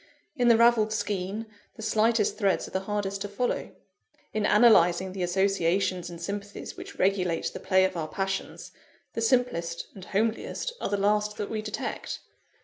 In the ravelled skein, the slightest threads are the hardest to follow. In analysing the associations and sympathies which regulate the play of our passions, the simplest and homeliest are the last that we detect.